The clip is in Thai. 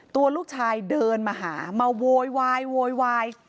ตัวลูกชายเดินมาหามาโวยวายโวยวาย